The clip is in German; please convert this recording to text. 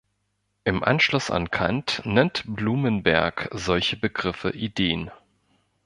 Im Anschluss an Kant nennt Blumenberg solche Begriffe Ideen.